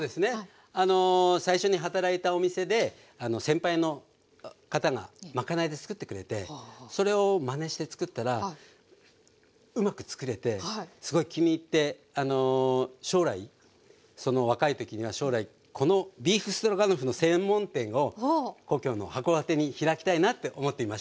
あの最初に働いたお店で先輩の方がまかないでつくってくれてそれをまねしてつくったらうまくつくれてすごい気に入って若い時には将来このビーフストロガノフの専門店を故郷の函館に開きたいなって思っていました。